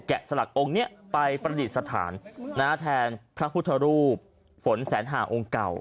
สลักองค์นี้ไปประดิษฐานแทนพระพุทธรูปฝนแสนหาองค์เก่า